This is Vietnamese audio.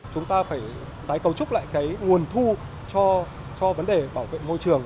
chúng ta phải tái cầu trúc lại cái nguồn thu cho vấn đề bảo vệ môi trường